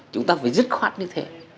chúng ta phải dứt khoát như thế